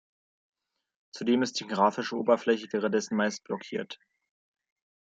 Zudem ist die grafische Oberfläche währenddessen meist blockiert.